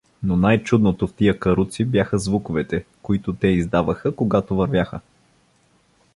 Но най-чудното в тия каруци бяха звуковете, които те издаваха, когато вървяха.